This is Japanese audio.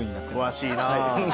詳しいな。